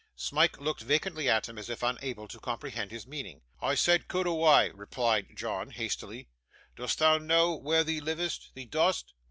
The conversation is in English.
Smike looked vacantly at him, as if unable to comprehend his meaning. 'I say, coot awa',' repeated John, hastily. 'Dost thee know where thee livest? Thee dost?